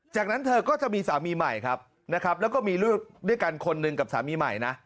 จากนั้นเธอก็จะมีสามีใหม่ครับนะครับแล้วก็มีลูกด้วยกันคนหนึ่งกับสามีใหม่นะ